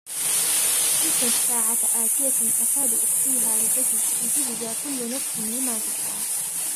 إن الساعة آتية أكاد أخفيها لتجزى كل نفس بما تسعى